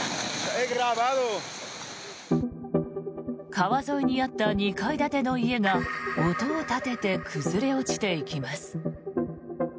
川沿いにあった２階建ての家が音を立てて崩れ落ちていきます。